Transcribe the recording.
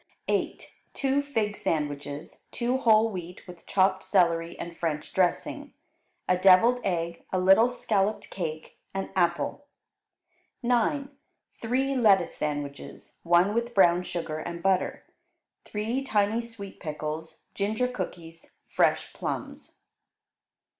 8. Two fig sandwiches, two whole wheat with chopped celery and French dressing; a devilled egg; a little scalloped cake; an apple. 9. Three lettuce sandwiches, one with brown sugar and butter; three tiny sweet pickles; ginger cookies; fresh plums.